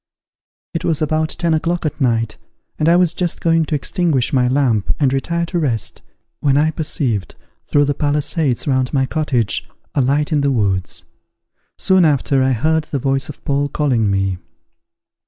It was about ten o'clock at night, and I was just going to extinguish my lamp, and retire to rest, when I perceived, through the palisades round my cottage, a light in the woods. Soon after, I heard the voice of Paul calling me.